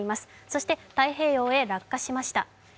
そして、太平洋へ落下しました。